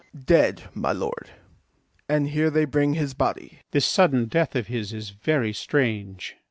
Dead, my lord, and here they bring his body. MARTIN DEL BOSCO. This sudden death of his is very strange.